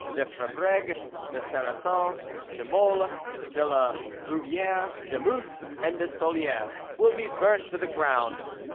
de Fabregue, de Sarrasin, de Moles, de La Rouviere, de Musse, and de Solier, will be burnt to the ground.